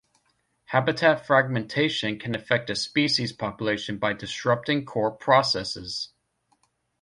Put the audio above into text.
Habitat fragmentation can affect a species population by disrupting core processes.